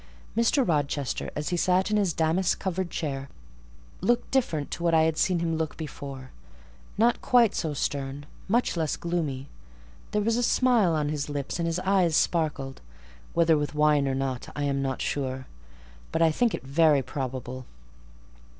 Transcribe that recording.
Mr. Rochester, as he sat in his damask covered chair, looked different to what I had seen him look before; not quite so stern—much less gloomy. There was a smile on his lips, and his eyes sparkled, whether with wine or not, I am not sure; but I think it very probable.